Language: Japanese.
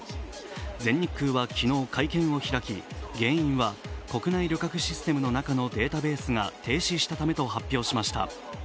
全日空は昨日、会見を開き、原因は国内旅客システムの中のデータベースが停止したためと発表しました。